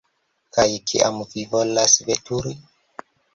Kaj kiam vi volas veturi?